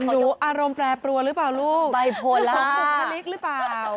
นายรู้อารมณ์แปรปลัวหรือเปล่าลูกหรือเปล่าหรือเปล่าใบโพล่า